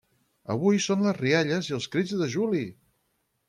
Avui són les rialles i els crits de Juli!